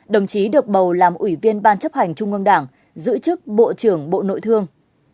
đồng chí được bầu làm ủy viên ban chấp hành trung ương đảng giữ chức bộ trưởng bộ nội thương